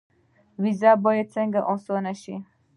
ویزه باید څنګه اسانه شي؟